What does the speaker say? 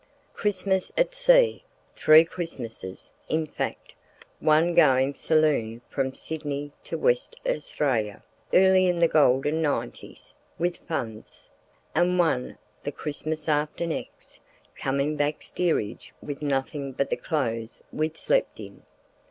Christmas at sea—three Christmases, in fact—one going saloon from Sydney to Westralia early in the Golden Nineties with funds; and one, the Christmas after next, coming back steerage with nothing but the clothes we'd slept in.